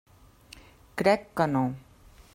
Crec que no.